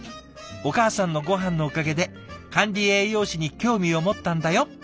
「お母さんのごはんのおかげで管理栄養士に興味を持ったんだよ」。